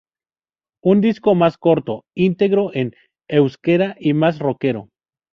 Un disco más corto, integro en euskera y más rockero.